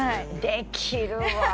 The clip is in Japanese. できるわー！